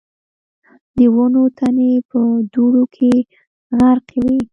د ونو تنې په دوړو کې غرقي وې.